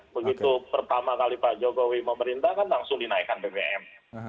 begitu pertama kali pak jokowi memerintahkan langsung dinaikkan bbm